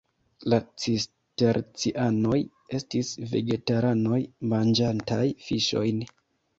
La cistercianoj estis vegetaranoj manĝantaj fiŝojn.